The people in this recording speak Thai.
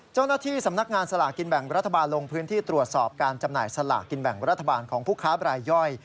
เจ้าหน้าที่สำนักงานสลากกินแบ่งรัฐบาลลงพื้นที่ตรวจสอบการจำหน่ายสลากกินแบ่งรัฐบาลของผู้ค้าบรายย่อย